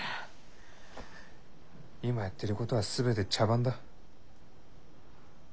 今やってることは全て茶番だ。